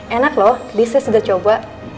enak loh bisnis sudah coba